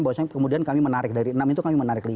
bahwasanya kemudian kami menarik dari enam itu kami menarik lima